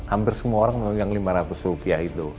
hampir semua orang yang lima ratus rupiah itu